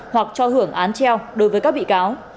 hoặc cho hưởng án treo đối với các bị cáo